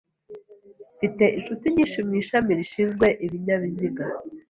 Mfite inshuti nyinshi mu ishami rishinzwe ibinyabiziga.